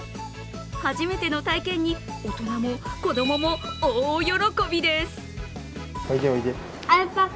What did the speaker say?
初めての体験に、大人も子供も大喜びです。